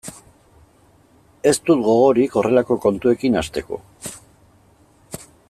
Ez dut gogorik horrelako kontuekin hasteko.